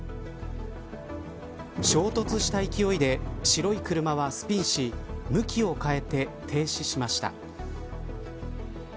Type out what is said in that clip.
衝突した勢いで白い車はスピンし向きを変えて、停止しました。